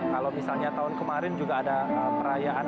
kalau misalnya tahun kemarin juga ada perayaan